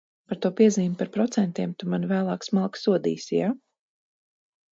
Par to piezīmi par procentiem tu mani vēlāk smalki sodīsi, jā?